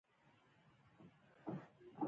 زموږ ټولنه اصلاح ته ډيره اړتیا لري